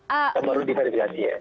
yang baru diperkarakan ya